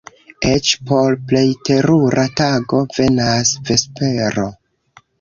Eĉ por plej terura tago venas vespero.